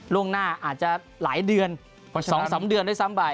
ล่วงหน้าอาจจะหลายเดือน๒๓เดือนด้วยซ้ำไป